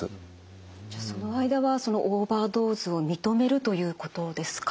じゃその間はオーバードーズを認めるということですか。